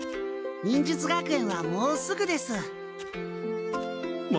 忍術学園はもうすぐです。